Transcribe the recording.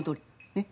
ねっ？